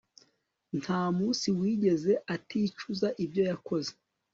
Ntamunsi wigeze aticuza ibyo yakoze